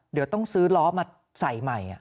เดี๋ยวต้องซื้อล้อมาใส่ใหม่